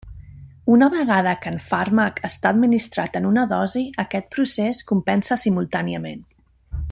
Una vegada que en fàrmac està administrat en una dosi, aquest procés compensa simultàniament.